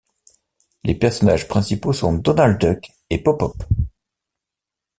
Les personnages principaux sont Donald Duck et Popop.